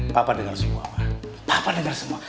papa dengar semua papa dengar semua